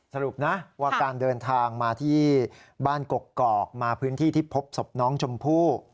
สรุปนะว่าการเดินทางมาที่บ้านกกอกมาพื้นที่ที่พบศพน้องชมพู่